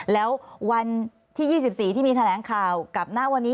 แล้ววันที่๒๔ที่มีแถลงข่าวกับณวันนี้